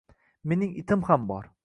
Mening itim ham bor.